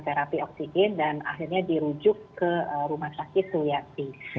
terapi oksigen dan akhirnya dirujuk ke rumah sakit suyati